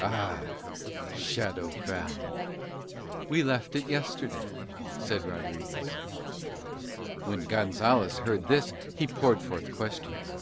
"Ah, Shadow Valley!" "We left it yesterday," said Rodriguez. When Gonzalez heard this he poured forth questions.